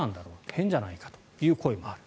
変じゃないかという声もある。